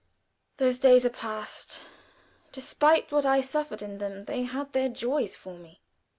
Those days are past: despite what I suffered in them they had their joys for me.